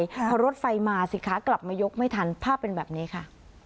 พอรถไฟมาสิคะกลับมายกไม่ทันภาพเป็นแบบนี้ค่ะ